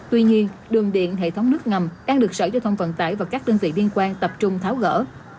tuy nhiên đường điện hệ thống nước ngầm đang được sở giao thông vận tải và các đơn vị liên quan tập trung tháo gỡ